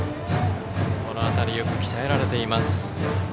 この辺りよく鍛えられています。